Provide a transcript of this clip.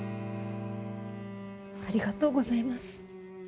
ありがとうございます。